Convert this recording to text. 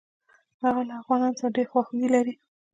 هغه له افغانانو سره ډېره خواخوږي لري.